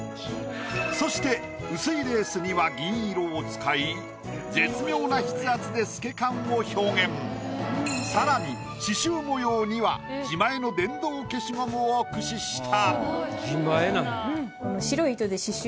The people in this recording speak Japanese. そして薄いレースには銀色を使い絶妙なさらに刺繍模様には自前の電動消しゴムを駆使した。